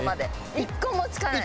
一個も付かない。